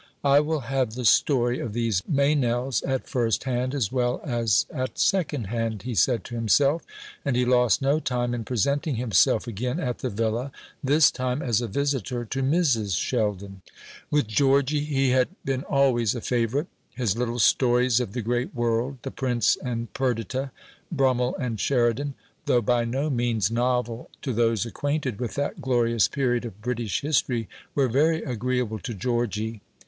"I will have the story of these Meynells at first hand as well as at second hand," he said to himself; and he lost no time in presenting himself again at the Villa this time as a visitor to Mrs. Sheldon. With Georgy he had been always a favourite. His little stories of the great world the Prince and Perdita, Brummel and Sheridan though by no means novel to those acquainted with that glorious period of British history, were very agreeable to Georgy.